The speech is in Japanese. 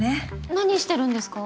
何してるんですか？